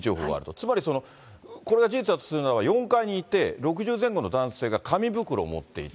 つまりこれが事実だとするならば、４階にいて、６０前後の男性が紙袋を持っていた。